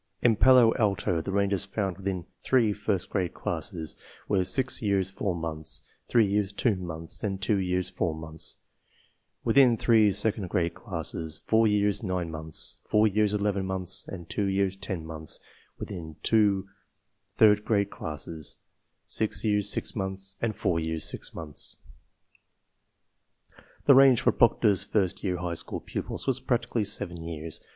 In Palo Alto the ranges found within three first grade classes were 6 years 4 months, 3 years 2 months, and 2 years 4 months; within three second grade classes, 4 years 9 months, 4 years 11 months, and 2 years 10 months; within two third grade classes, 6 years 6 months and 4 years 6 months. The range for Proctor's first year high school pupils was practically 7 years.